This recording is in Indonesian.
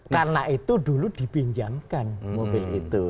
karena itu dulu dipinjamkan mobil itu